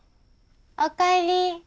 おかえり！